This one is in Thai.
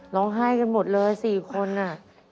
ร้องไห้กันหมดเลย๔คนน่ะ